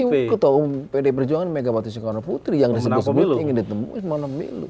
ini ketahuan pd perjuangan megawati soekarno putri yang disebut sebut ingin ditemui